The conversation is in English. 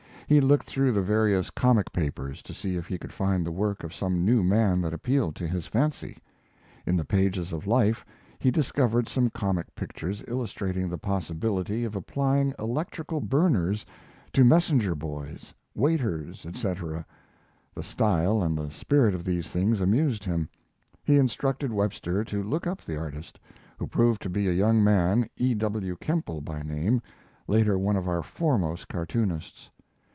He looked through the various comic papers to see if he could find the work of some new man that appealed to his fancy. In the pages of Life he discovered some comic pictures illustrating the possibility of applying electrical burners to messenger boys, waiters, etc. The style and the spirit of these things amused him. He instructed Webster to look up the artist, who proved to be a young man, E. W. Kemble by name, later one of our foremost cartoonists.